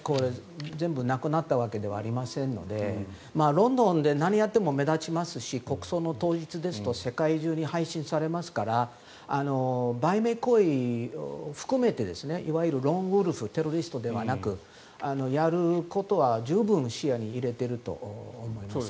全部なくなったわけではありませんのでロンドンで何をやっても目立ちますし国葬の当日ですと世界中に配信されますから売名行為を含めていわゆるローンウルフテロリストではなくやることは十分、視野に入れていると思います。